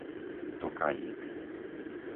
Tokajík